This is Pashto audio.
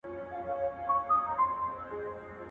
که وخت وي، کښېناستل کوم؟